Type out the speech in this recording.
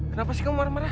kenapa sih kamu marah marah